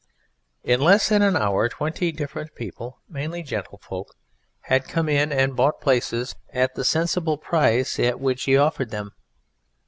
In less than an hour twenty different people, mainly gentlefolk, had come in and bought places at the sensible price at which he offered them.